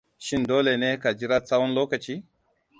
Shin dole ne ka jira tsawon lokaci?